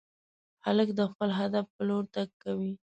هلک د خپل هدف په لور تګ کوي.